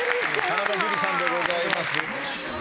田中樹さんでございます。